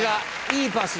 いいパス。